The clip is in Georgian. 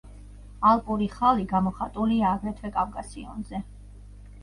ალპური ხალი გამოხატულია აგრეთვე კავკასიონზე.